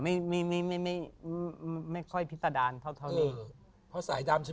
ไม่ค่อยพิษดานเท่านี้